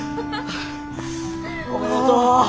おめでとう。